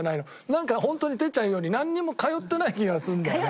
なんかホントに哲ちゃんが言うようになんにも通ってない気がするんだよね。